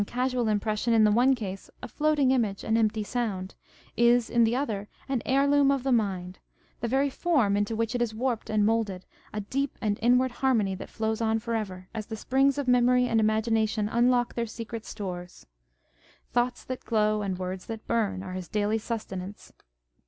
521 casual impression in the one case, a floating image, an empty sound, is in the other an heirloom of the mind, the very form into which it is warped and moulded, a deep and inward harmony that flows on for ever, as the springs of memory and imagination unlock their secret stores. " Thoughts that glow, and words that burn " are his daily sustenance.